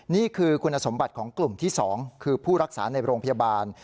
นี่คือคุณสมบัติของกลุ่มที่๒คือผู้รักษาในโรงพยาบาล